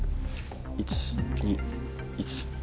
１・２１。